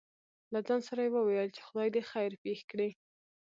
له ځان سره يې وويل :چې خداى دې خېر پېښ کړي.